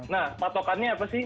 nah patokannya apa sih